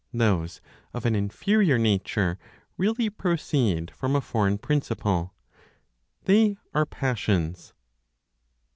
Those of an inferior nature really proceed from a foreign principle; they are passions.